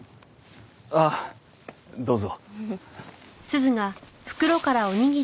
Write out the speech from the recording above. ああどうぞ。